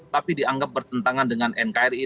tapi dianggap bertentangan dengan nkri